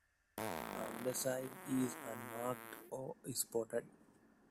The underside is unmarked or spotted.